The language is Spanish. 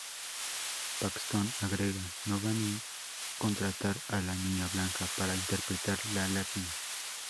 Paxton agrega: "No van a contratar a la 'niña blanca' para interpretar la Latina.